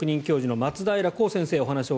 松平先生